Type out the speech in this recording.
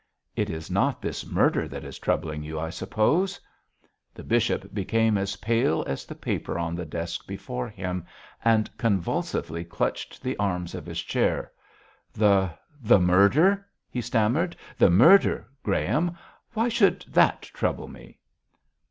'It is not this murder that is troubling you, I suppose?' The bishop became as pale as the paper on the desk before him, and convulsively clutched the arms of his chair. 'The the murder!' he stammered, 'the murder, Graham. Why should that trouble me?'